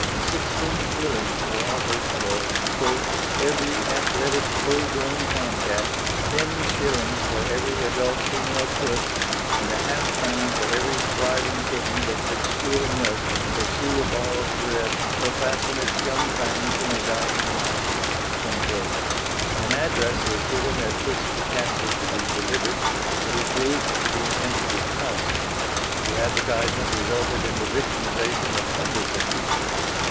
Sixteen shillings were offered for "every athletic full grown tom cat, ten shillings for every adult female puss, and a half crown for every thriving kitten that could swill milk, pursue a ball of thread, or fasten its young fangs in a dying mouse." An address was given at which the cats were to be delivered; but it proved to be an empty house. The advertisement resulted in the victimisation of hundreds of people.